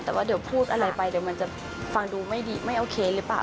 แต่ว่าเดี๋ยวพูดอะไรไปเดี๋ยวมันจะฟังดูไม่ดีไม่โอเคหรือเปล่า